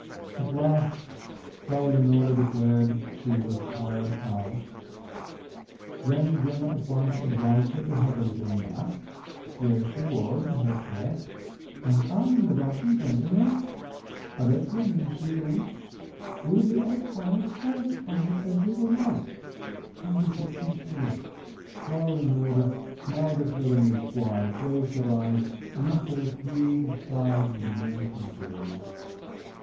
At last Frau Lenore declared she was tired out … Then Gemma at once advised her to have a little nap, where she was, in her chair, "and I and the Russian gentleman—'avec le monsieur russe'—will be as quiet, as quiet … as little mice … 'comme des petites souris.'" Frau Lenore smiled at her in reply, closed her eyes, and after a few sighs began to doze.